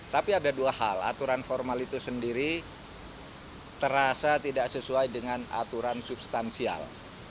tapi ada dua hal aturan formal itu sendiri terasa tidak sesuai dengan aturan substansial